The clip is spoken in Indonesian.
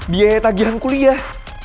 biaya tagihan kuliah